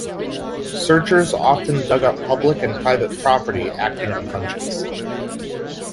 Searchers often dug up public and private property acting on hunches.